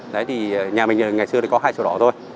đấy thì nhà mình ngày xưa thì có hai chỗ đó thôi